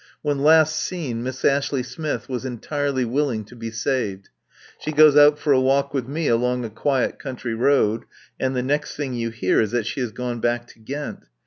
When last seen, Miss Ashley Smith was entirely willing to be saved. She goes out for a walk with me along a quiet country road, and the next thing you hear is that she has gone back to Ghent.